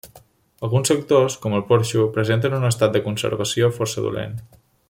Alguns sectors, com el porxo, presenten un estat de conservació força dolent.